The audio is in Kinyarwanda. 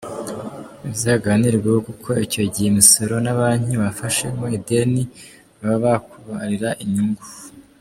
Bizaganirweho kuko icyo gihe imisoro na Banki wafashemo ideni baba bakubarira inyungu.